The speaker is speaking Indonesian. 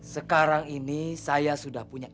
sekarang ini saya sudah punya